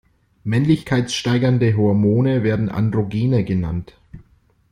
Männlichkeitssteigernde Hormone werden Androgene genannt.